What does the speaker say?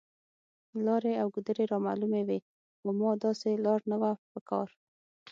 لارې او ګودرې رامعلومې وې، خو ما داسې لار نه وه په کار.